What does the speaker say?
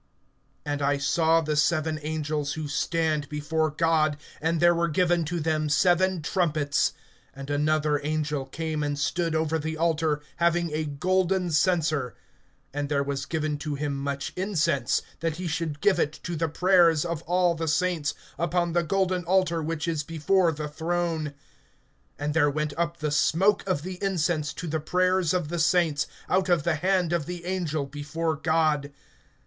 (2)And I saw the seven angels who stand before God, and there were given to them seven trumpets. (3)And another angel came and stood over the altar, having a golden censer; and there was given to him much incense, that he should give it to the prayers of all the saints, upon the golden altar which is before the throne. (4)And there went up the smoke of the incense to the prayers of the saints, out of the hand of the angel, before God.